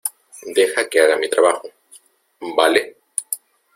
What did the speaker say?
deja que haga mi trabajo, ¿ vale?